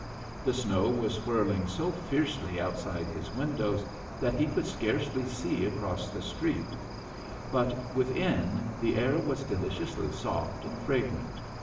The snow was whirling so fiercely outside his windows that he could scarcely see across the street; but within, the air was deliciously soft and fragrant.